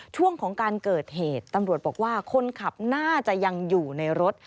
ช่วงของการเกิดเหตุตำรวจบอกว่าคนขับน่าจะยังอยู่ในรถ